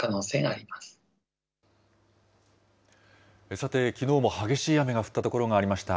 さて、きのうも激しい雨が降った所がありました。